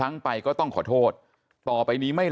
ลาออกจากหัวหน้าพรรคเพื่อไทยอย่างเดียวเนี่ย